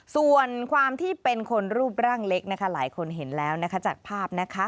ส่วนความที่เป็นคนรูปร่างเล็กนะคะหลายคนเห็นแล้วจากภาพนะคะ